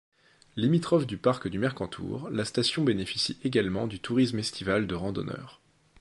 Limitrophe du Parc du Mercantour, la station bénéficie également du tourisme estival de randonneurs.